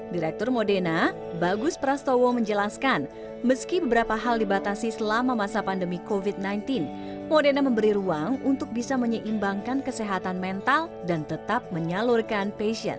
direktur modena bagus prastowo menjelaskan meski beberapa hal dibatasi selama masa pandemi covid sembilan belas modena memberi ruang untuk bisa menyeimbangkan kesehatan mental dan tetap menyalurkan passion